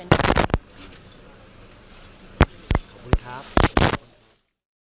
โปรดติดตามตอนต่อไป